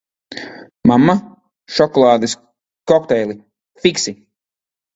Mamma, šokolādes kokteili, fiksi!